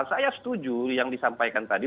saya setuju yang disampaikan tadi